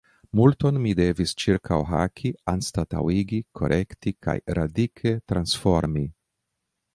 Multon mi devis ĉirkaŭhaki, anstataŭigi, korekti kaj radike transformi.